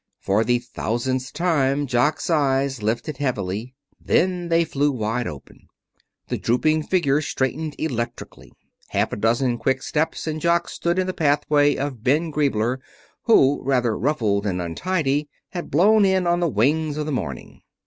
For the thousandth time Jock's eyes lifted heavily. Then they flew wide open. The drooping figure straightened electrically. Half a dozen quick steps and Jock stood in the pathway of Ben Griebler who, rather ruffled and untidy, had blown in on the wings of the morning.